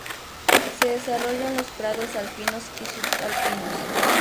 Se desarrolla en los prados alpinos y subalpinos.